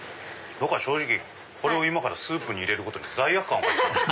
僕は正直これを今からスープに入れることに罪悪感を感じてます。